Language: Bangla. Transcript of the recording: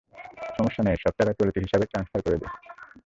সমস্যা নেই, সব টাকা চলতি হিসাবে ট্রান্সফার করে দিন।